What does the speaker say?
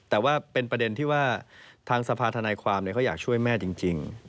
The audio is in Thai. แต่ว่าเป็นประเด็นที่ว่าทางสภาธนายความเขาอยากช่วยแม่จริง